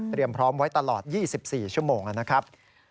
พร้อมไว้ตลอด๒๔ชั่วโมงนะครับ